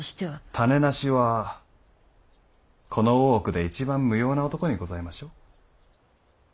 種無しはこの大奥で一番無用な男にございましょう？